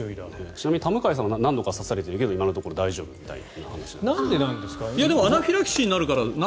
ちなみに田迎さんは何度か刺されているけど今のところ大丈夫みたいな話。